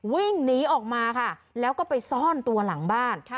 วิ่งหนีออกมาค่ะแล้วก็ไปซ่อนตัวหลังบ้าน